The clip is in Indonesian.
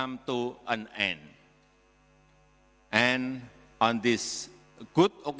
dan pada kesempatan yang baik